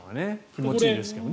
気持ちいいですけど。